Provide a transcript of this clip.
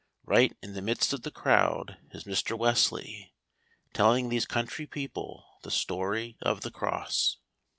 Right in the midst of the crowd is Mr. Wesley, telling these country people the story of the Cross.